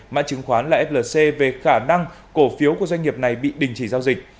mã chứng khoán là flc về khả năng cổ phiếu của doanh nghiệp này bị đình chỉ giao dịch